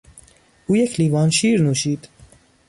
او یک لیوان شیر نوشید.